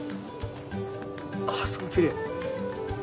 あすごいきれい。